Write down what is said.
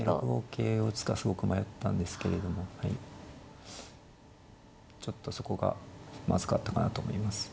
桂を打つかすごく迷ったんですけれどもちょっとそこがまずかったかなと思います。